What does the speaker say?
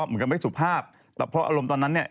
เหมือนกับไม่สุภาพแต่พออารมณ์ตอนนั้นเนี่ย